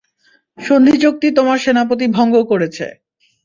সন্ধিচুক্তি তোমার সেনাপতি ভঙ্গ করেছে।